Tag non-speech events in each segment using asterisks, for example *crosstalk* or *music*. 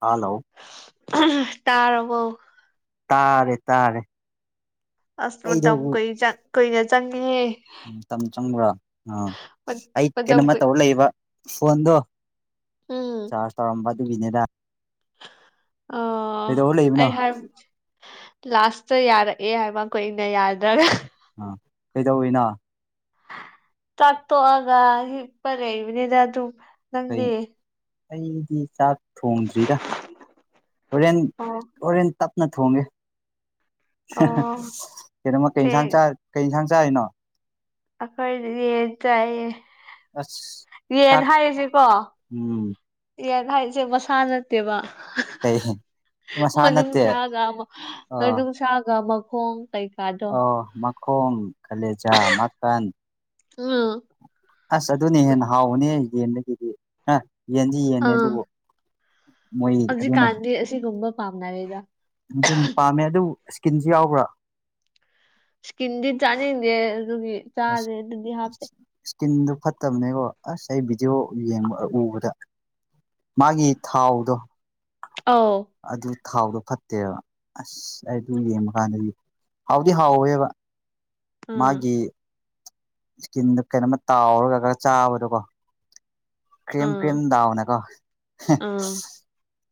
hello ꯇꯥꯕꯣ ꯇꯥꯔꯦ ꯇꯥꯔꯦ ꯑꯁ ꯃꯇꯝ ꯀꯨꯏ ꯀꯨꯏꯅ ꯆꯪꯉꯑꯦ ꯎꯝ ꯆꯪꯕ꯭ꯔꯣ ꯑꯥ ꯑꯩ ꯃꯇꯝ ꯀꯩꯅꯣꯝꯃ ꯀꯨꯏ ꯇꯧꯔ ꯂꯩꯕ ꯐꯣꯟꯗꯣ ꯎꯝ ꯆꯥ ꯇꯔꯝꯕ ꯑꯗꯨ ꯅꯦꯗ ꯑ ꯀꯩꯗꯧꯔ ꯂꯩꯕꯅꯣ ꯑꯩ ꯍꯥꯏ ꯂꯥꯁꯇ ꯌꯥꯔꯛꯑꯦ ꯍꯥꯏꯕ ꯀꯨꯏꯅ ꯌꯥꯗꯔꯥ ꯑꯥ ꯀꯩꯗꯧꯤꯅ ꯆꯥꯛꯇꯣꯛꯑꯒ ꯍꯤꯛꯄ ꯂꯩꯕꯅꯤꯗ ꯑꯗꯨ ꯀꯩ ꯅꯪꯒꯤ ꯑꯩꯗꯤ ꯆꯥꯛ ꯊꯣꯡꯗ꯭ꯔꯤꯗ ꯍꯣꯔꯦꯟ ꯑꯣ ꯍꯣꯔꯦꯟ ꯇꯞ ꯅꯠꯇ ꯍꯣꯡꯒꯦ ꯑꯣ ꯀꯩꯅꯣꯃ ꯀꯩꯟꯁꯥꯡ ꯀꯩ ꯌꯦꯟꯁꯥꯡ ꯆꯥꯔꯤꯅꯣ ꯑꯈꯣꯏꯗꯤ ꯌꯥ ꯆꯑ ꯑꯁ ꯌꯦꯟ ꯈꯥꯛ ꯍꯥꯏꯔꯤꯁꯤꯀꯣ ꯎꯝ ꯍꯥꯏꯁꯦ ꯃꯁꯥ ꯅꯠꯇꯦꯕ ꯀꯩ ꯃꯁꯥ ꯅꯠꯇꯦ ꯃꯅꯨꯡꯅꯨꯡꯁꯥꯒ ꯑꯃꯅꯨꯡꯁꯥꯒ ꯑꯃꯨ ꯍꯣ ꯇꯥꯏ ꯑ ꯃꯈꯣꯟ ꯈꯂꯦꯖꯥ ꯃꯈꯀꯟ ꯎꯝ ꯑꯁ ꯑꯗꯨꯅꯤ ꯍꯦꯟꯅ ꯍꯥꯎꯕꯅꯦ ꯑꯩ ꯌꯦꯟꯗꯒꯤꯗꯤ ꯑ ꯌꯦꯟꯁꯤ ꯌꯦꯟꯅꯦ ꯑꯥ ꯑꯗꯨꯕꯨꯣ ꯍꯧꯖꯤꯛꯀꯥꯟꯗꯤ ꯑꯁꯤꯒꯨꯝꯕ ꯄꯥꯝꯅꯔꯗ ꯑꯗꯨꯅꯤ ꯄꯥꯝꯃꯦ ꯑꯗꯨꯕꯨ ꯏꯁꯀꯤꯟꯁꯨ ꯌꯥꯎꯕ꯭ꯔꯥ ꯏꯁꯀꯤꯟꯗꯤ ꯆꯥꯅꯤꯡꯗꯦ ꯑꯗꯨꯒꯤ ꯆꯥꯥꯁꯦ ꯑꯗꯨꯗꯤ ꯍꯥꯞꯇꯦ ꯏꯁꯀꯤꯟꯗꯨꯣ ꯐꯠꯇꯕꯅꯦꯀꯣ ꯑꯁ ꯑꯩ ꯚꯤꯗꯤꯑꯣ ꯌꯦꯡꯕ ꯎꯕꯗ ꯃꯥꯒꯤ ꯊꯥꯎꯗꯣ ꯑꯥꯎ ꯑꯗꯨ ꯊꯥꯎꯗꯣ ꯐꯠꯇꯦꯕ ꯑꯁ ꯑꯩ ꯑꯗꯨ ꯌꯦꯡꯕ ꯀꯥꯟꯗꯗꯤ ꯍꯥꯎꯗꯤ ꯍꯥꯎꯋꯦꯕ ꯑꯥ ꯃꯥꯒꯤ ꯏꯁꯀꯤꯟꯗꯨ ꯀꯩꯅꯣꯝꯃ ꯇꯥꯎꯔꯒ ꯈꯔ ꯆꯥꯕꯗꯣꯀꯣ ꯀ꯭ꯔꯔꯤꯝ ꯑꯥ ꯀ꯭ꯔꯔꯤꯝꯗꯥꯎꯅ ꯀꯣ ꯑꯥ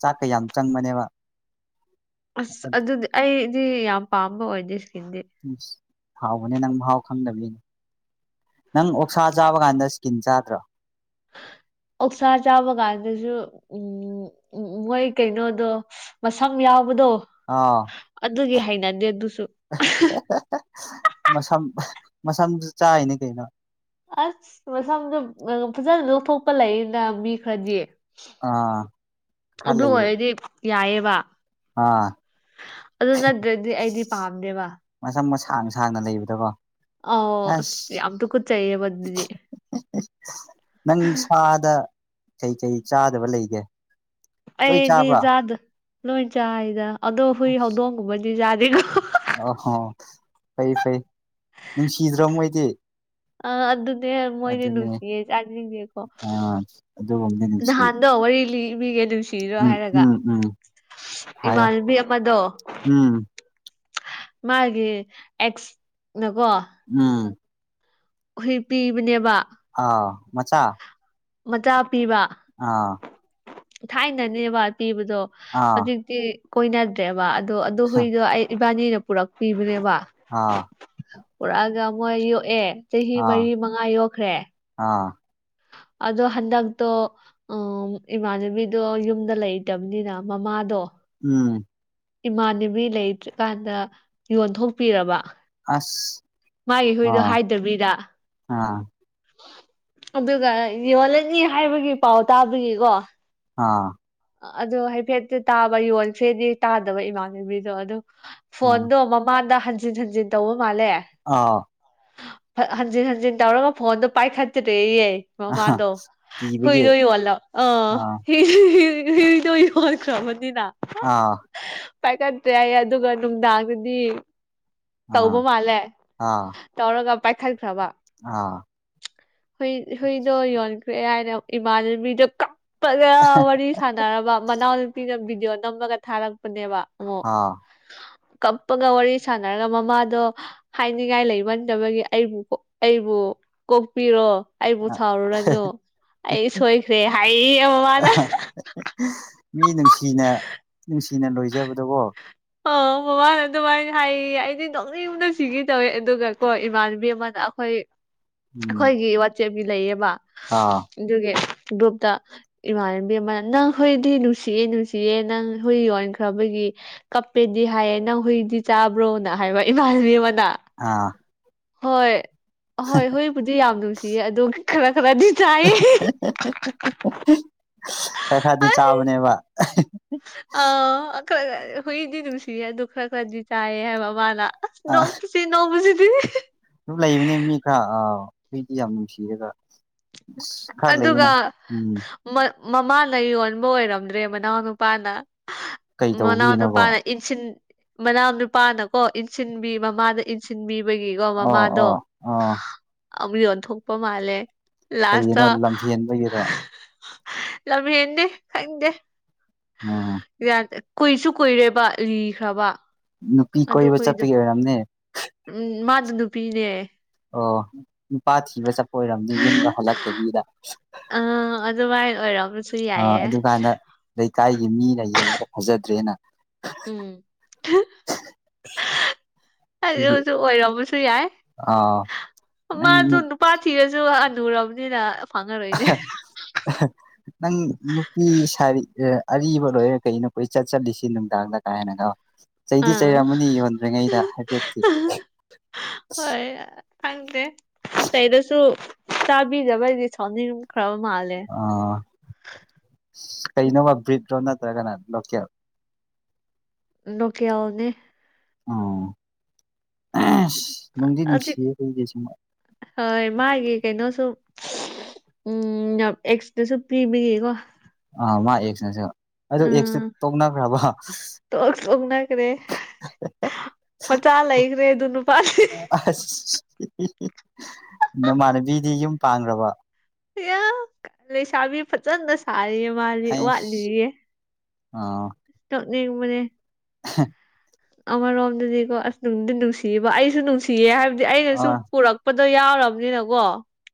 ꯆꯥꯛ ꯀꯌꯥꯝ ꯆꯪꯕꯅꯦꯕ ꯑꯁ ꯑꯗꯨꯗꯤ ꯑꯩꯗꯤ ꯌꯥꯝ ꯄꯥꯝꯕ ꯑꯣꯏꯗꯦ ꯏꯁꯀꯤꯟꯗꯤ ꯍꯥꯎꯕꯅꯦ ꯅꯪ ꯃꯍꯥꯎ ꯈꯪꯗꯕꯝꯒꯤꯅꯦ ꯅꯪ ꯑꯣꯛꯁꯥ ꯆꯥꯕ ꯒꯥꯟꯗ ꯏꯁ꯭ꯀꯤꯟ ꯆꯥꯗ꯭ꯔꯥ *unintelligible* ꯑꯣꯛꯁꯥ ꯆꯥꯕ ꯀꯥꯟꯗꯁꯨ ꯎ ꯃꯣꯏ ꯀꯩꯅꯣꯗꯣ ꯃꯁꯝ ꯌꯥꯎ ꯕꯗꯣ ꯑꯥ ꯑꯗꯨꯒꯤ ꯍꯩꯅꯗꯦ ꯑꯗꯨꯁꯨ ꯃꯁꯝ ꯃꯁꯝꯁꯨ ꯆꯥꯏꯅꯦ ꯀꯩꯅꯣ ꯑꯁ ꯃꯁꯝꯗ ꯐꯖꯅ ꯂꯧꯊꯣꯛꯄ ꯂꯩꯅ ꯃꯤ ꯈꯔꯗꯤ ꯑꯥ ꯈꯂꯩꯕ ꯌꯥꯏꯌꯦꯕ ꯑꯗꯨ ꯅꯠꯇ꯭ꯔꯗꯤ ꯑꯩꯗꯤ ꯄꯥꯝꯗꯦꯕ ꯀꯥꯡ ꯁꯥꯡꯅ ꯂꯩꯕꯗꯕꯣ ꯑꯧ ꯑꯁ ꯌꯥꯝ ꯇꯨꯀꯠꯆꯩꯌꯦꯕ ꯑꯗꯨꯗꯤ ꯅꯪ ꯁꯥꯗ ꯀꯩ ꯀꯩ ꯆꯥꯗꯕ ꯂꯩꯒꯦ ꯂꯣꯏ ꯆꯥꯕ꯭ꯔꯥ ꯑꯩꯗꯤꯖꯥꯗ ꯂꯣꯏ ꯆꯥꯏꯗ ꯑꯗꯣ ꯍꯨꯏ ꯍꯧꯗꯣꯡꯒꯨꯝꯕꯗꯤ ꯖꯥꯗꯦꯀꯣ ꯑꯍꯣ ꯐꯩ ꯐꯩ ꯅꯨꯡꯁꯤꯗ꯭ꯔꯣ ꯃꯣꯏꯗꯤ *inaudible* ꯑ ꯑꯗꯨꯅꯦ ꯃꯣꯏꯅꯦ ꯑꯗꯨꯅꯦ ꯅꯨꯡꯁꯤꯌꯦ ꯆꯥꯁꯤꯡꯗꯦꯀꯣ ꯑ ꯑꯗꯨꯒꯨꯝꯕꯗꯤ ꯅꯨꯡꯁꯤ ꯅꯍꯥꯟꯗꯣ ꯋꯥꯔꯤ ꯂꯤ ꯕꯤꯒꯦ ꯅꯨꯡꯁꯤꯔꯣ ꯎꯝ ꯍꯥꯏꯔꯒ ꯎꯝ ꯎꯝ ꯍꯥꯏꯌꯣ ꯏꯃꯥꯜꯕꯤ ꯑꯃꯗꯣ ꯎꯝ ꯃꯥꯒꯤ ꯑꯦꯛꯁ ꯅꯀꯣ ꯎꯝ ꯍꯨꯏ ꯄꯤꯕꯅꯦꯕ ꯑꯥ ꯃꯆꯥꯥ ꯃꯆꯥ ꯄꯤꯕ ꯑꯥ ꯊꯥꯏꯅꯅꯦꯕ ꯄꯤꯕꯗꯣ ꯑꯥ ꯍꯧꯖꯤꯛꯇꯤ ꯀꯣꯏꯅꯗ꯭ꯔꯦꯕ ꯑꯗꯣ ꯑꯗꯨꯣ ꯍꯨꯏꯗꯣ ꯑꯩ ꯏꯕꯥꯅꯤꯅ ꯄꯨꯔꯛꯄꯤꯕꯅꯦꯕ ꯑꯥ ꯄꯨꯔꯛꯑꯒ ꯃꯣꯏ ꯌꯣꯛꯑꯦ ꯆꯍꯤ ꯑꯥ ꯃꯔꯤ ꯃꯉꯥ ꯌꯣꯛꯈ꯭ꯔꯦ ꯑꯥ ꯑꯗꯣ ꯍꯟꯗꯛꯇꯣ ꯎ ꯏꯃꯥꯟꯅꯕꯤꯗꯣ ꯌꯨꯝꯗ ꯂꯩꯇꯕꯅꯤꯅ ꯃꯃꯥꯗꯣ ꯎꯝ ꯏꯃꯥꯟꯅꯕꯤ ꯂꯩꯇ꯭ꯔꯤꯀꯥꯟꯗ ꯌꯣꯟꯊꯣꯛꯄꯤꯔꯕ ꯑꯁ ꯃꯥꯒꯤ ꯍꯨꯣꯏꯗꯣ ꯑꯥ ꯍꯥꯏꯗꯕꯤꯗ ꯑꯥ ꯑꯗꯨꯒ ꯌꯣꯜꯂꯅꯤ ꯍꯥꯏꯕꯒꯤ ꯄꯥꯎ ꯇꯥꯕꯒꯤꯀꯣ ꯑꯥ ꯑꯗꯣ ꯍꯥꯏꯐꯦꯠꯇꯤ ꯇꯥꯕ ꯌꯣꯟꯈꯔꯦꯗꯤ ꯇꯥꯗꯕ ꯏꯃꯥꯟꯅꯕꯤꯗꯣ ꯑꯗꯨ ꯑꯥ ꯐꯣꯟꯗꯣ ꯃꯃꯥꯡꯗ ꯍꯟꯖꯤꯟ ꯍꯟꯖꯤꯟ ꯇꯧꯕ ꯃꯥꯜꯂꯦ ꯍꯟꯖꯤꯟ ꯍꯟꯖꯤꯟ ꯇꯧꯔꯒ ꯐꯣꯟꯗꯣ ꯄꯥꯏꯈꯠꯇ꯭ꯔꯦꯌꯦ ꯑꯥ ꯃꯃꯥꯟꯗꯣ ꯀꯤꯕꯒꯤ ꯍꯨꯏꯗꯣꯏ ꯌꯣꯜꯂ ꯑ ꯑꯥ ꯍꯤ ꯍꯤ ꯍꯨ ꯍ ꯍꯟꯈ꯭ꯔꯕꯅꯤꯅ ꯑꯥ ꯄꯥꯏꯈꯠꯇ꯭ꯔꯦ ꯍꯥꯏ ꯑꯗꯨꯒ ꯅꯨꯡꯗꯥꯡꯗꯗꯤ ꯑꯥ ꯇꯧꯕ ꯃꯥꯜꯂꯦ ꯑꯥ ꯇꯧꯔꯒ ꯄꯥꯏꯈꯠ ꯐ꯭ꯔꯕ ꯑꯥ ꯍ ꯍꯨꯏꯗꯣ ꯌꯣꯟ ꯀꯑꯦ ꯍꯥꯏꯅ ꯏꯃꯥꯟꯅꯕꯤꯗꯣ ꯀꯞꯄꯒ ꯋꯥꯔꯤ ꯁꯥꯟꯅꯔꯕ ꯃꯅꯥꯎꯅꯨꯄꯤꯅ ꯣ ꯅꯝꯃꯒ ꯊꯥꯔꯛꯄꯅꯦꯕ ꯑꯃꯨꯛ ꯍꯥꯥ ꯀꯞꯄꯒ ꯋꯥꯔꯤ ꯁꯥꯟꯅꯔꯒ ꯃꯃꯥꯗꯣ ꯍꯥꯏꯅꯤꯡꯉꯥꯏ ꯂꯩꯃꯟꯗꯕꯒꯤ ꯑꯩꯕꯨ ꯑꯩꯕꯨ ꯀꯣꯛꯄꯤꯔꯣ ꯑꯩꯕꯨ ꯑꯥ ꯁꯥꯎꯔꯨꯔꯅꯨ ꯑꯩ ꯁꯣꯏꯈ꯭ꯔꯦ ꯍꯥꯏ ꯃꯃꯅ ꯃꯤ ꯅꯨꯡꯁꯤꯅ ꯅꯨꯡꯁꯤꯅ ꯂꯣꯏꯖꯕꯗꯀꯣ ꯑ ꯃꯃꯥꯅ ꯑꯗꯨꯃꯥꯏꯅ ꯍꯥꯏꯌꯦ ꯑꯩꯗꯤ ꯅꯣꯛꯅꯤꯡ ꯕꯅ ꯁꯤꯈꯤ ꯇꯧꯋꯦ ꯑꯗꯨꯒ ꯀꯣ ꯏꯃꯥꯟꯅꯕꯤ ꯑꯃꯅ ꯑꯩꯈꯣꯏ ꯎꯝ ꯑꯩꯈꯣꯏꯒꯤ ꯋꯥꯆꯦꯞꯄꯤ ꯂꯩꯌꯦꯕ ꯑꯥ ꯑꯗꯨꯒꯤ ꯒ꯭ꯔꯨꯞꯇ ꯏꯃꯥꯟꯅꯕꯤ ꯑꯃꯅ ꯅꯪ ꯍꯨꯏꯗꯤ ꯅꯨꯡꯁꯤꯑꯦ ꯅꯨꯡꯁꯤꯌꯦ ꯅꯪ ꯍꯨꯏ ꯌꯣꯟꯈ꯭ꯔꯕꯒꯤ ꯀꯞꯄꯦꯗꯤ ꯍꯥꯏꯌꯦ ꯅꯪ ꯍꯨꯏꯗꯤ ꯆꯥꯕ꯭ꯔꯣꯅ ꯍꯥꯏꯕ ꯏꯃꯥꯟꯅꯕꯤ ꯑꯃꯅ ꯑꯥ ꯍꯣꯏ ꯑꯍꯣꯏ ꯍꯨꯏꯕꯨꯗꯤ ꯌꯥꯝ ꯅꯨꯡꯁꯤꯌꯦ ꯑꯗꯣ ꯈꯔ ꯈꯔꯥꯗꯤ ꯆꯥꯏ ꯈꯔ ꯈꯔꯗꯤ ꯆꯥꯕꯅꯦꯕ ꯑ ꯑ ꯍꯨꯏꯗꯤ ꯅꯨꯡꯁꯤ ꯍꯥꯏ ꯗꯨꯒ ꯈꯔꯥ ꯈꯔꯥ ꯆꯥꯏ ꯍꯥꯏ ꯃꯃꯥꯅ ꯅꯣꯡꯄꯁꯤ ꯅꯣꯡꯄꯁꯤꯗꯤ ꯑꯗꯨ ꯂꯩꯕꯅꯦ ꯃꯤ ꯈꯔ ꯑ ꯍꯨꯏꯗꯤ ꯌꯥꯝ ꯅꯨꯡꯁꯤꯔꯒ ꯑꯁ ꯈꯔ ꯑꯗꯨꯒ ꯂꯩꯌꯦꯅꯦ ꯎꯝ ꯃꯃꯥꯅ ꯌꯣꯟꯕ ꯑꯣꯏꯔꯝꯗ꯭ꯔꯦ ꯃꯅꯥꯎ ꯅꯨꯄꯥꯅ ꯀꯩ ꯃꯅꯥꯎ ꯇꯧꯕꯒꯤꯅꯣꯀꯣ ꯅꯨꯄꯥꯅ ꯏꯟꯁꯤꯟ ꯃꯅꯥꯎ ꯅꯨꯄꯥꯅ ꯀꯣ ꯏꯟꯁꯤꯟꯕꯤ ꯃꯃꯥꯗ ꯏꯟꯁꯤꯟꯕꯤ ꯑꯩꯗꯨꯒꯤꯀꯣ ꯑꯣ ꯃꯃꯥꯗꯣ ꯑꯣ ꯑꯣ ꯑꯃꯨꯛ ꯌꯣꯟꯊꯣꯛꯄ ꯃꯥꯜꯂꯦ ꯀꯩꯒꯤꯅꯣ ꯂꯥꯁꯇ ꯂꯝꯍꯦꯟꯕꯒꯤꯔꯣ ꯂꯝꯍꯦꯟꯗꯦ ꯈꯪꯗꯦ ꯎꯝ ꯌꯥꯗꯦ ꯀꯨꯏꯁꯨ ꯀꯨꯏꯔꯦꯕ ꯂꯤꯈ꯭ꯔꯕ ꯅꯨꯄꯤ ꯑꯗꯨ ꯀꯣꯏꯕ ꯍꯨꯏꯗꯣ ꯆꯠꯄꯒꯤ ꯑꯣꯏꯔꯝꯅꯦ ꯎꯝ ꯃꯥꯗꯨ ꯅꯨꯄꯤꯅꯦ ꯑꯣ ꯅꯨꯄꯥ ꯊꯤꯕ ꯆꯠꯄ ꯑꯣꯏꯔꯝꯅꯦ ꯌꯨꯝꯒ ꯍꯜꯂꯛꯇꯕꯤꯗ ꯑꯥ ꯑꯗꯨꯃꯥꯏꯅ ꯑꯣꯏꯔꯝꯕꯁꯨ ꯑ ꯌꯥꯏꯌꯦ ꯑꯗꯨꯀꯥꯟꯗ ꯂꯩꯀꯥꯏꯒꯤ ꯃꯤꯅ ꯌꯦꯡꯕꯗ ꯐꯖꯗ꯭ꯔꯦꯅ ꯎꯝ ꯍꯧꯖꯤꯛ ꯑꯗꯨꯒꯤ ꯍꯧꯖꯤꯛ ꯑꯣꯏꯔꯕꯁꯨ ꯌꯥꯏ ꯑꯥ ꯅꯪ ꯃꯥꯁꯨ ꯅꯨꯄꯥ ꯊꯤꯔꯁꯨ ꯑꯅꯨꯔꯕꯅꯤꯅ ꯅꯪ ꯅꯨꯄꯤ ꯁꯥꯔꯤ ꯑꯔꯤꯕ ꯂꯣꯏꯔꯦ ꯀꯩꯅꯣ ꯀꯣꯏꯆꯏ ꯆꯠ ꯆꯠꯂꯤꯁꯤ ꯅꯨꯡꯗꯥꯡꯗ ꯀꯥꯏꯅꯒ ꯆꯩꯗꯤ ꯑꯥ ꯆꯩꯔꯝꯃꯅꯤ ꯌꯣꯟꯗ꯭ꯔꯤꯉꯩꯗ ꯍꯥꯏꯐꯦꯠꯀꯤ ꯍꯣꯏ ꯈꯪꯗꯦ ꯆꯩꯗꯁꯨ ꯆꯥꯕꯤꯗꯕ ꯍꯥꯏꯗꯤ ꯁꯥꯎꯅꯤꯡ ꯀꯩꯅꯣꯕ ꯕ꯭ꯔꯤꯠ ꯔꯣꯜ ꯅꯠꯇ꯭ꯔꯒꯅ ꯂꯣꯀꯦꯜ ꯅꯣꯀꯦꯜ ꯅꯦ ꯑꯣ ꯍꯧꯖꯤꯛ ꯍꯣꯏ ꯃꯥꯒꯤ ꯀꯩꯅꯣꯁꯨ ꯎꯝ ꯌꯥꯝ ꯑꯦꯛꯁꯇꯁꯨ ꯄꯤꯕꯤꯒꯀꯣ ꯑ ꯃꯥꯢ ꯑꯦꯛꯁ ꯅꯁꯨ ꯑꯗꯨ ꯑꯦꯛꯁ ꯇꯣ ꯎꯝ ꯇꯣꯛꯅꯈ꯭ꯔꯕ ꯇꯣꯛ ꯇꯣꯛꯅꯈ꯭ꯔꯦ ꯃꯆꯥ ꯂꯩꯈ꯭ꯔꯦ ꯑꯗꯨ ꯅꯨꯄꯥꯁꯦ ꯑ ꯅꯃꯥꯟꯅꯕꯤꯗꯤ ꯌꯨꯝ ꯄꯥꯡꯈ꯭ꯔꯕ ꯂꯩꯁꯥꯕꯤ ꯐꯖꯅ ꯁꯥꯔꯤꯌꯦ ꯃꯥꯜꯂꯤ ꯑꯩꯁ ꯋꯥꯠꯂꯤꯌꯦ ꯑꯥ ꯃꯅꯦ *inaudible* ꯑꯃꯔꯣꯝꯗꯗꯤꯀꯣ ꯑꯁ ꯅꯨꯡꯗꯤ ꯅꯨꯡꯁꯤꯕ ꯑꯩꯁꯨ ꯅꯨꯡꯁꯤꯌꯦ ꯍꯥꯏꯕꯗꯤ ꯑꯩꯅꯁꯨ ꯑꯥ ꯄꯨꯔꯛꯄ ꯑꯣ ꯌꯥꯎꯔꯕꯅꯤꯅꯀꯣ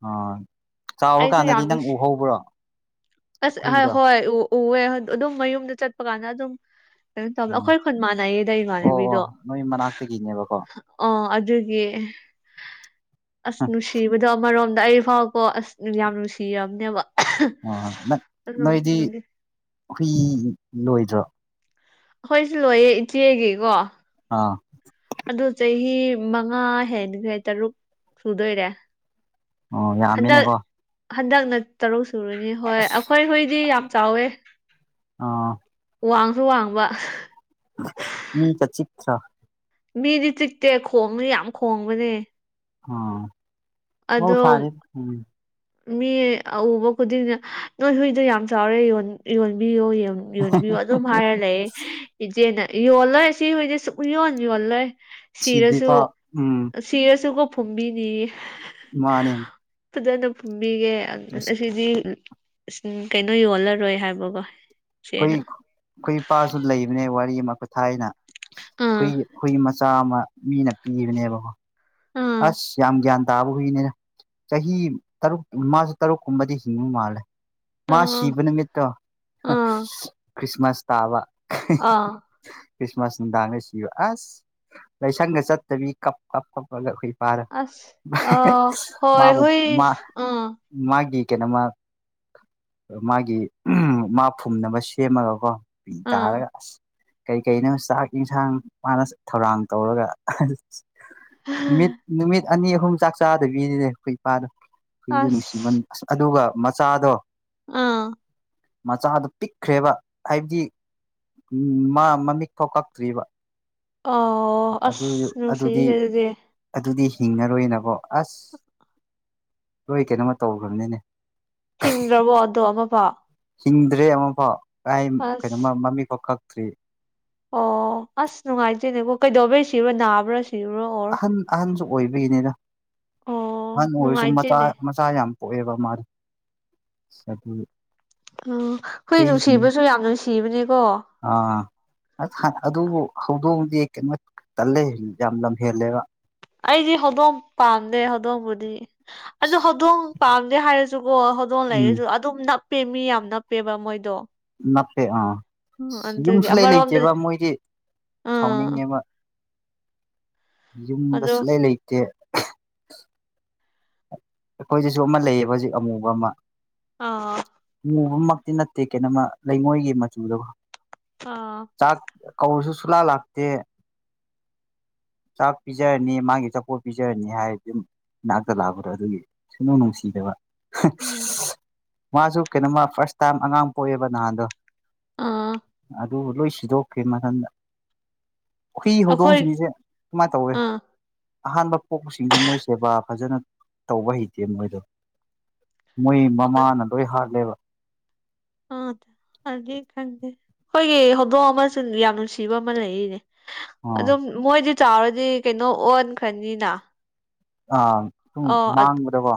ꯑꯥ ꯑꯩꯁꯨ ꯆꯥꯎꯔꯀꯥꯟꯗꯗꯤ ꯌꯥꯝ ꯅꯪ ꯅꯨꯡꯁꯤ ꯎꯍꯧꯕ꯭ꯔꯣ ꯑꯁ ꯍꯨꯏꯗꯣ ꯍꯣꯏ ꯎ ꯎꯋꯦ ꯑꯗꯨꯝ ꯃꯌꯨꯝꯗ ꯆꯠꯄ ꯀꯥꯟꯗ ꯑꯗꯨꯝ ꯀꯩꯅꯣ ꯇꯧ ꯎꯝ ꯑꯩꯈꯣꯏ ꯈꯨꯟ ꯃꯥꯟꯅꯩꯌꯦꯗ ꯑꯣ ꯑꯣ ꯏꯃꯥꯟꯅꯕꯤꯗꯣ ꯅꯣꯏ ꯃꯅꯥꯛꯇꯒꯤꯅꯦꯕꯀꯣ ꯑꯣ ꯑꯗꯨꯒꯤ ꯑꯁ ꯅꯨꯡꯁꯤꯕꯗꯣ ꯑꯃꯔꯣꯝꯗ ꯑꯗ ꯑꯩ ꯐꯥꯎꯕꯀꯣ ꯑꯁ ꯌꯥꯝ ꯅꯨꯡꯁꯤꯔꯕꯅꯦꯕ ꯑꯣ ꯑꯗꯨ ꯅꯣꯏꯗꯤ ꯑꯩꯈꯣꯏꯁꯨ ꯍꯨꯏ ꯂꯣꯏꯗ꯭ꯔꯣ ꯑꯩꯈꯣꯏꯁꯨ ꯂꯣꯏꯌꯦ ꯏꯆꯦꯒꯤꯀꯣ ꯑꯥ ꯑꯗꯨ ꯆꯍꯤ ꯃꯉꯥ ꯍꯦꯟꯈ꯭ꯔꯦ ꯇꯔꯨꯛ ꯁꯨꯗꯣꯏꯔꯦ ꯑꯣ ꯍꯟꯗꯛ ꯌꯥꯝꯃꯤꯅꯦꯀꯣ ꯍꯟꯗꯛꯅ ꯇꯔꯨꯛ ꯁꯨꯔꯅꯤ ꯍꯣꯏ ꯑꯩꯈꯣꯏ ꯍꯣꯏꯗꯤ ꯌꯥꯝ ꯆꯥꯎꯋꯦ ꯑꯥ ꯋꯥꯡꯁꯨ ꯋꯥꯡꯕ ꯑ ꯃꯤꯗꯤ ꯆꯤꯛꯇꯦ ꯈꯣꯡꯅꯤ ꯌꯥꯝ ꯈꯣꯡꯕꯅꯦ ꯑ ꯧ ꯑꯗꯣ ꯁꯔꯤꯝ ꯃꯤ ꯑꯎꯕ ꯈꯨꯗꯤꯡꯅ ꯅꯣꯏ ꯍꯨꯏꯗ ꯌꯥꯝ ꯆꯥꯎꯔꯦ ꯌꯣꯟꯕꯤꯌꯣ ꯌꯣꯟꯕꯤꯌꯨ ꯑꯗꯨꯝ ꯍꯥꯏꯔ ꯂꯩꯦ ꯏꯆꯦꯅ ꯌꯣꯜꯂꯣꯏ ꯁꯤ ꯍꯣꯏꯗꯤ ꯁꯨꯡꯛ ꯌꯣꯟ ꯌꯣꯜꯂꯣꯏ ꯁꯤꯔꯁꯨ ꯁꯤꯗ꯭ꯔꯤꯐꯥꯎ ꯎꯝ ꯁꯤꯔꯁꯨꯀꯣ ꯐꯨꯝꯕꯤꯅꯤ ꯃꯥꯅꯦ ꯐꯖꯅ ꯐꯨꯝꯕꯤꯒꯦ ꯑꯁ ꯑꯁꯤꯗꯤ ꯀꯩꯅꯣ ꯌꯣꯜꯂꯔꯣꯏ ꯍꯥꯏꯕꯀꯣ ꯍꯈ ꯏꯆꯦꯅ ꯑꯩꯈꯣꯏ ꯏꯄꯥꯁꯨ ꯂꯩꯕꯅꯦ ꯋꯥꯔꯤ ꯑꯃ ꯈꯨꯊꯥꯏꯅ ꯍꯨꯏ ꯑꯥ ꯍꯨꯏ ꯆꯥꯃ ꯃꯤꯅ ꯄꯤꯕꯅꯦꯕꯀꯣ ꯑꯥ ꯑꯁ ꯌꯥꯝ ꯒ꯭ꯌꯥꯟ ꯇꯥꯕ ꯍꯨꯏꯅꯤꯅ ꯆꯍꯤ ꯇꯔꯨꯛ ꯃꯥꯁꯨ ꯇꯔꯨꯛꯀꯨꯝꯕꯗꯤ ꯍꯤꯡꯕ ꯃꯥꯜꯂꯦ ꯃꯥ ꯑꯥ ꯁꯤꯕ ꯅꯨꯃꯤꯠꯇꯣ ꯑꯥ ꯈ꯭ꯔꯤꯁꯃꯥꯁ ꯇꯥꯕ ꯑꯥ ꯈ꯭ꯔꯤꯁꯃꯥꯁ ꯅꯨꯡꯗꯥꯡꯒ ꯁꯤꯕ ꯑꯁ ꯂꯥꯏꯁꯪꯒ ꯆꯠꯇꯕꯤ ꯀꯞ ꯀꯞ ꯀꯞꯂꯒꯨꯏ ꯐꯔ ꯑꯁ ꯑꯥ ꯍꯣꯏ ꯃꯥꯕꯨ ꯍꯨꯏ ꯃꯥ ꯑꯥ ꯃꯥꯒꯤ ꯀꯩꯅꯣꯝꯃ ꯃꯥꯒꯤ ꯃꯥ ꯐꯨꯝꯅꯕ ꯁꯦꯝꯃꯒꯀꯣ ꯑꯥ ꯄꯇꯥꯔ ꯀꯔꯤ ꯀꯩꯅꯣ ꯆꯥꯛ ꯌꯦꯟꯁꯥꯡ ꯃꯥꯅ ꯊꯧꯔꯥꯡ ꯇꯧꯔꯒ ꯅꯨꯃꯤꯠ ꯅꯨꯃꯤꯠ ꯑꯅꯤ ꯑꯍꯨꯝ ꯆꯥꯛ ꯆꯥꯗꯕꯤꯔꯤꯅꯦ ꯑꯩꯈꯣꯏ ꯏꯄꯥꯗꯣ ꯑꯩꯈꯏꯗ ꯅꯨꯡꯁꯤꯕꯟ ꯑꯁ ꯑꯁ ꯑꯗꯨꯒ ꯃꯆꯥꯗꯣ ꯑꯥ ꯃꯆꯥꯗꯨꯣ ꯄꯤꯛꯈ꯭ꯔꯦꯕ ꯍꯥꯏꯕꯗꯤ ꯎꯝ ꯃꯥ ꯃꯃꯤꯠ ꯐꯥꯎ ꯀꯛꯇ꯭ꯔꯤꯕ ꯑꯣ ꯑꯗꯨ ꯑꯁ ꯅꯨꯡꯁꯤꯍꯦ ꯑꯗꯨꯗꯤ ꯑꯗꯨꯗꯤ ꯍꯤꯡꯉꯔꯣꯏꯅꯦꯕꯣ ꯑꯁ ꯂꯣꯏ ꯀꯩꯅꯣꯃ ꯇꯧꯈ꯭ꯔꯕꯅꯤꯅꯦ ꯊꯤꯡꯗ꯭ꯔꯕꯣ ꯑꯗꯣ ꯑꯃ ꯄꯥꯎ ꯍꯤꯡꯗ꯭ꯔꯦ ꯑꯃꯐꯥꯎ ꯀꯥꯏ ꯀꯩꯅꯣ ꯃꯃꯤ ꯐꯥꯎ ꯈꯛꯇ꯭ꯔꯤ ꯑꯣ ꯑꯁ ꯅꯨꯡꯉꯥꯏꯖꯦꯅꯦꯀꯣ ꯀꯩꯗꯧꯕꯩ ꯁꯤꯕꯣ ꯅꯥꯕ꯭ꯔꯥ ꯁꯤꯕꯨꯔꯣ ꯑꯣꯔ ꯑꯣꯏꯕꯒꯤꯅꯤꯅ ꯑꯣ ꯑꯍꯟ ꯑꯣꯏꯔꯁꯨ ꯃꯆꯥ ꯅꯨꯡꯉꯥꯏꯇꯦꯅꯦ ꯃꯆꯥ ꯌꯥꯝ ꯀꯣꯛꯑꯦꯕ ꯃꯥ ꯎꯝ ꯑꯩꯈꯣꯏ ꯅꯨꯡꯁꯤꯕꯁꯨ ꯌꯥꯝ ꯅꯨꯡꯁꯤꯕꯅꯦꯀꯣ ꯑꯁ ꯑꯗꯨꯕꯨ ꯍꯧꯗꯣꯡꯑꯗꯤ ꯀꯩꯅꯣ ꯇꯜꯂꯦ ꯌꯥꯝ ꯂꯝ ꯍꯦꯜꯂꯦꯕ ꯑꯩꯗꯤ ꯍꯧꯗꯣꯡ ꯄꯥꯝꯗꯦ ꯍꯧꯗꯣꯡꯕꯨꯗꯤ ꯑꯗꯨ ꯍꯧꯗꯣꯡ ꯄꯥꯝꯗꯦ ꯍꯥꯏꯔꯁꯨ ꯑꯣꯣ ꯍꯧꯗꯣꯡ ꯎꯝ ꯂꯩꯔꯤꯁꯨ ꯑꯗꯨꯝ ꯅꯞꯄꯦ ꯃꯤ ꯌꯥꯝ ꯅꯞꯄꯦꯕ ꯃꯣꯏꯗꯣ ꯅꯥꯞꯄꯦ ꯑꯥ ꯎꯝ ꯑꯗꯨꯒꯤ ꯌꯨꯝꯁꯨ ꯂꯩꯩ ꯑꯃꯔꯣꯝꯗꯗꯤ ꯂꯩꯇꯦꯕ ꯃꯣꯏꯗꯤ ꯑꯥ ꯁꯥꯎꯅꯤꯡꯉꯦꯕ ꯌꯨꯝꯗ ꯑꯗꯣ ꯁꯨꯂꯥꯏꯩ ꯂꯩꯇꯦ ꯑꯩꯈꯣꯏꯁꯤꯁꯨ ꯑꯃ ꯂꯩꯌꯦꯕ ꯍꯧꯖꯤꯛ ꯑꯃꯨꯕ ꯑꯃ ꯑꯥ ꯕꯃꯛꯇꯤ ꯅꯠꯇꯦ ꯀꯩꯅꯣꯃ ꯂꯩꯉꯣꯏꯒꯤ ꯃꯆꯨꯗꯀ ꯑꯥ ꯆꯥꯛ ꯀꯧꯔꯁꯨ ꯆꯂꯥ ꯂꯥꯛꯇ ꯆꯥꯛ ꯄꯤꯖꯔꯅꯤ ꯃꯥꯒꯤ ꯆꯥꯛꯄꯣꯠ ꯄꯤꯖꯔꯅꯤ ꯍꯥꯏꯔꯗꯤ ꯑꯗꯨꯝ ꯏꯅꯥꯛꯇ ꯂꯥꯛꯄ꯭ꯔꯥ ꯑꯗꯨꯒꯤ ꯁꯅꯧ ꯅꯪꯁꯤꯖꯕ ꯎꯝ ꯃꯥꯁꯨ ꯀꯩꯅꯣꯃ ꯐꯥꯔꯁ ꯇꯥꯏꯝ ꯑꯉꯥꯡ ꯄꯣꯛꯑꯦꯕ ꯅꯍꯥꯟꯗꯣ ꯑꯥ ꯑꯗꯨ ꯂꯣꯏ ꯁꯤꯗꯣꯛꯀꯦ ꯃꯊꯟꯗ ꯍꯈꯔꯤ ꯑꯩꯈꯣꯏ ꯍꯧꯗꯣꯡꯁꯤꯡꯁꯦ ꯀꯃꯥꯏꯅ ꯇꯧꯏꯤ ꯑꯥ ꯑꯍꯥꯟꯕ ꯄꯣꯛꯁꯤꯡꯁꯦ ꯃꯣꯏ ꯁꯦꯕꯥ ꯐꯖꯅ ꯇꯧꯕ ꯍꯩꯇꯦ ꯃꯣꯏꯗꯣ ꯃꯣꯏ ꯃꯃꯥꯅ ꯂꯣꯏ ꯍꯥꯜꯂꯦꯕ ꯑꯥ ꯑꯗꯨꯗꯤ ꯈꯪꯗꯦ ꯑꯩꯈꯣꯏꯒꯤ ꯍꯧꯗꯣꯛꯑ ꯑꯃꯁꯨ ꯌꯥꯝ ꯅꯨꯡꯁꯤꯕ ꯑꯃ ꯂꯩꯔꯤꯅꯦ ꯑꯥ ꯑꯗꯨꯝ ꯃꯣꯏꯗꯤ ꯆꯥꯎꯔꯗꯤ ꯀꯩꯅꯣ ꯑꯣꯟꯈ꯭ꯔꯅꯤꯅ ꯑ ꯁꯨꯝ ꯑꯣ ꯃꯥꯡꯕꯗꯀꯣ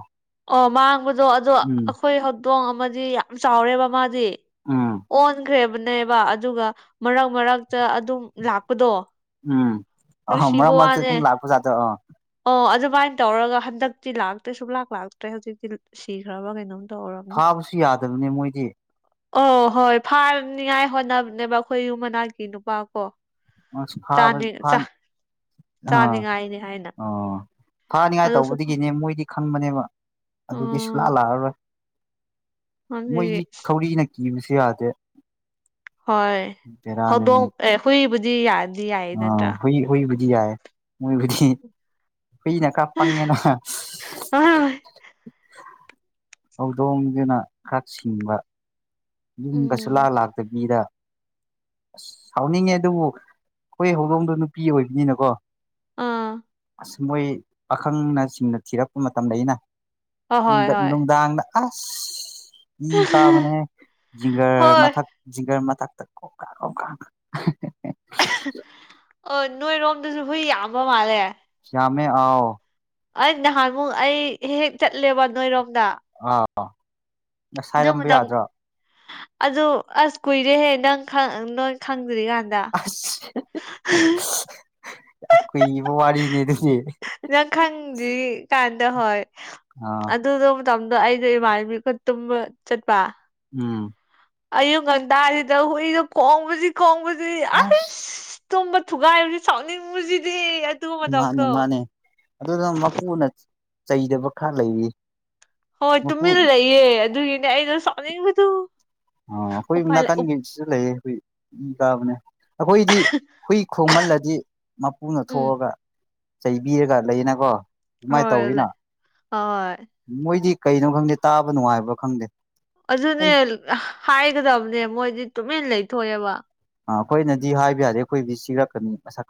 ꯑꯣ ꯃꯥꯡꯕꯗꯣ ꯑꯗꯣ ꯎꯝ ꯑꯩꯈꯣꯏ ꯍꯧꯗꯣꯡ ꯑꯃꯗꯤ ꯌꯥꯝ ꯆꯥꯎꯔꯦꯕ ꯃꯥꯗꯤ ꯎꯝ ꯑꯣꯟꯈ꯭ꯔꯦꯕꯅꯦꯕ ꯑꯗꯨꯒ ꯃꯔꯛ ꯃꯔꯛꯇ ꯑꯗꯨꯝ ꯂꯥꯛꯄꯗꯣ ꯎꯝ ꯑꯥ ꯃꯔꯛ ꯃꯔꯛꯇ ꯨꯁꯤꯤꯕꯅꯦꯦ ꯑꯗꯨꯝ ꯂꯥꯛꯄ ꯖꯥꯠꯇꯣ ꯑꯥ ꯑꯣ ꯑ ꯁꯨꯃꯥꯏꯅ ꯇꯧꯔꯒ ꯍꯟꯗꯛꯇꯤ ꯂꯥꯛꯇ꯭ꯔꯦ ꯁꯨꯡꯂꯥꯛ ꯂꯥꯛꯇ꯭ꯔꯦ ꯍꯧꯖꯤꯛꯇꯤ ꯁꯤꯈ꯭ꯔꯕ ꯀꯩꯅꯣꯝ ꯇꯧꯔꯕꯅꯤ ꯐꯥꯕꯁꯨ ꯌꯥꯗꯕꯅꯤ ꯃꯣꯏꯗꯤ ꯑꯣ ꯍꯣꯏ ꯐꯥꯅꯤꯉꯥꯏ ꯍꯣꯠꯅꯕꯅꯦꯕ ꯑꯩꯈꯣꯏ ꯌꯨꯨꯝ ꯃꯅꯥꯛꯀꯤ ꯅꯨꯄꯥ ꯀꯣ ꯑꯃꯁꯨꯡ ꯈꯥꯕ ꯈ ꯆꯥꯗꯒꯥꯏꯅꯦ ꯑꯣ ꯊꯥꯅꯤꯉꯥꯏ ꯇꯧꯕꯗꯒꯤꯅꯦ ꯃꯣꯏꯗꯤ ꯈꯪꯕꯅꯦꯕ ꯑꯗꯨꯗꯤ ꯎꯝ ꯁꯂꯥꯛꯑ ꯂꯥꯛꯑꯔꯣꯏ ꯑꯗꯨꯗꯤ ꯃꯣꯏꯗꯤ ꯊꯧꯔꯤꯅ ꯀꯤꯕꯁꯨ ꯌꯥꯗꯦ ꯍꯣꯏ ꯍꯧꯗꯣꯡ ꯑꯦ ꯍꯨꯏꯕꯨꯗꯤ ꯌꯥꯗ ꯑ ꯍꯨꯏ ꯍꯨꯏꯕꯨꯗꯤ ꯌꯥꯏ ꯍꯨꯏꯕꯨꯗꯤ ꯀꯅ ꯀꯥ ꯄꯪꯉꯦꯅ ꯍꯧꯗꯣꯡꯗꯨꯅ ꯈꯔ ꯁꯤꯡꯕ ꯌꯨꯝ ꯀꯁꯨꯂꯥ ꯎꯝ ꯂꯥꯛꯇꯕꯤꯗ ꯑꯁ ꯁꯥꯎꯅꯤꯡꯉꯦ ꯑꯗꯨꯕꯨ ꯑꯩꯈꯣꯏ ꯍꯧꯗꯣꯡꯗꯣ ꯅꯨꯄꯤ ꯑꯣꯏꯕꯅꯤꯅꯀꯣ ꯑꯥ ꯑꯁ ꯃꯣꯏ ꯄꯥꯈꯪꯅ ꯆꯤꯡꯅ ꯊꯤꯔꯛꯄ ꯃꯇꯝꯗ ꯑꯩꯅ ꯍꯣꯏ ꯍꯣꯏ ꯍꯣꯏ ꯅꯨꯡꯗꯥꯡꯗ ꯑꯁ ꯏ ꯀꯥꯕꯅꯦ ꯖꯤꯤꯡꯒꯔ ꯍꯣꯏ ꯃꯊꯛ ꯃꯇ ꯑꯣꯀ ꯑꯣ ꯑꯣ ꯅꯣꯏꯔꯣꯝꯗꯁꯨ ꯍꯨꯏ ꯌꯥꯝꯕ ꯃꯥꯜꯂꯦ ꯁꯃꯃꯦ ꯑꯑꯣ ꯑꯩ ꯅꯍꯥꯟꯃꯨꯛ ꯑꯩ ꯍꯦꯛ ꯍꯦꯛ ꯆꯠꯂꯦꯕ ꯅꯣꯏꯔꯣꯝꯗ ꯑ ꯑꯗꯨ ꯉꯁꯥꯏꯔꯝꯕ ꯃꯇꯝ ꯌꯥꯗ꯭ꯔꯥ ꯑꯗꯨ ꯑꯁ ꯀꯨꯏꯔꯦꯍꯦ ꯅꯪ ꯅꯣꯏ ꯈꯪꯗ꯭ꯔꯤ ꯀꯥꯟꯗ ꯑꯁ ꯍꯍꯍ ꯌꯥꯝ ꯀꯨꯏꯕ ꯋꯥꯔꯤꯅꯦ ꯑꯗꯨꯗꯤ ꯅꯪ ꯈꯪꯗ꯭ꯔꯤ ꯀꯥꯟ ꯗ ꯍꯣꯏ ꯑꯥ ꯑꯗꯨꯗ ꯃꯇꯝꯗꯣ ꯑꯩꯗꯣ ꯏꯃꯥꯟꯕꯤ ꯈꯨꯠ ꯇꯨꯝꯕ ꯆꯠꯄ ꯎꯝ ꯑꯌꯨꯛ ꯉꯟꯇꯥꯔꯤꯗ ꯍꯨꯏꯗꯣ ꯀꯣꯡꯕꯁꯤ ꯀꯣꯡꯕꯁꯤ ꯑꯁ ꯇꯣꯕ ꯊꯨꯒꯥꯏꯕꯁꯤ ꯁꯥꯎꯅꯤꯡꯉꯕꯁꯤꯗꯤ ꯃꯥꯅꯦ ꯃꯥꯅꯦ ꯑꯗꯨꯅ ꯃꯄꯨꯅ ꯆꯩꯗꯕ ꯈꯔ ꯂꯩꯔꯤ ꯍꯣꯏ ꯃꯄꯨ ꯇꯨꯃꯤꯟꯅ ꯂꯩꯌꯦ ꯑꯗꯨꯒꯤꯅꯦ ꯑꯩꯅ ꯁꯥꯎꯅꯤꯡꯕꯗꯨ ꯑ ꯑꯩꯈꯣꯏ ꯎꯄꯥꯏ ꯂꯩ ꯅꯥꯀꯟꯒꯤ ꯁꯤꯁꯨ ꯂꯩꯌꯦ ꯑꯩꯈꯣꯏ ꯀꯥꯕꯅꯦ ꯑꯩꯈꯣꯏꯗꯤ ꯍꯨꯏ ꯈꯣꯡꯃꯜꯂꯗꯤ ꯃꯄꯨꯅ ꯎꯝ ꯊꯣꯛꯑꯒ ꯆꯩꯕꯤꯔꯒ ꯂꯩꯅꯀꯣ ꯑꯗꯨꯃꯥꯏꯅ ꯍꯣꯏ ꯇꯧꯋꯤꯅ ꯍꯣꯏ ꯃꯣꯏꯗꯤ ꯀꯩꯅꯣ ꯈꯪꯗꯦ ꯇꯥꯕ ꯅꯨꯡꯉꯥꯏꯕ꯭ꯔꯥ ꯈꯪꯗꯦ ꯑꯗꯨꯅꯦ ꯍꯥꯏꯒꯗꯕꯅꯦ ꯃꯣꯏꯗꯤ ꯇꯨꯃꯤꯟ ꯂꯩꯊꯣꯛꯑꯦꯕ ꯑ ꯑꯩꯈꯣꯏꯅꯗꯤ ꯍꯥꯏꯕ ꯌꯥꯔꯦ ꯑꯩꯈꯣꯏꯕꯨꯗꯤ ꯁꯤꯔꯛꯀꯅꯤ ꯃꯁ ꯈꯪ